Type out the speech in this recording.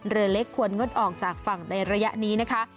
เรือเล็กควรงดออกจากฝั่งในระยะนี้นะคะ